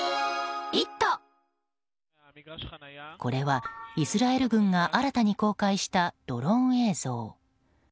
これはイスラエル軍が新たに公開したドローン映像。